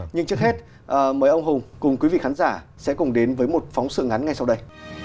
nhưng trước hết mời ông hùng cùng quý vị khán giả sẽ cùng đến với một phóng sự ngắn ngay sau đây